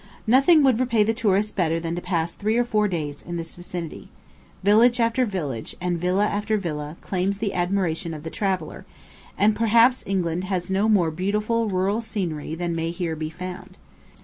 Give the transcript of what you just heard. Nothing would repay the tourist better than to pass three or four days, in this vicinity. Village after village, and villa after villa, claims the admiration of the traveller; and perhaps England has no more beautiful rural scenery than may here be found.